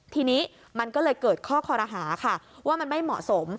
ทีนี้มันก็เลยเกิดข้อคอรหาค่ะว่ามันไม่เหมาะสม